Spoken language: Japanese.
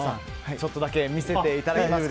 ちょっとだけ見せていただけますか。